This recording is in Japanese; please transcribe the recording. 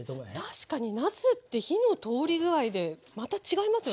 確かになすって火の通り具合でまた違いますよね。